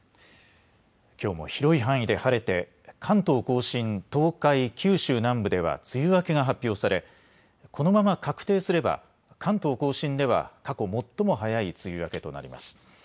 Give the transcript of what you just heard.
きょうも広い範囲で晴れて関東甲信、東海、九州南部では梅雨明けが発表されこのまま確定すれば関東甲信では過去最も早い梅雨明けとなります。